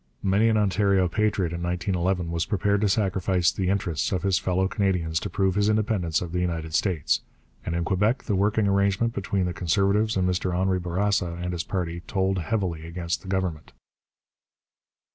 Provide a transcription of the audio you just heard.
Many an Ontario patriot in 1911 was prepared to sacrifice the interests of his fellow Canadians to prove his independence of the United States. And in Quebec the working arrangement between the Conservatives and Mr Henri Bourassa and his party told heavily against the Government.